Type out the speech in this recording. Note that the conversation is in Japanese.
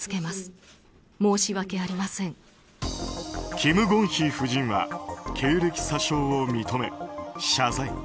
キム・ゴンヒ夫人は経歴詐称を認め、謝罪。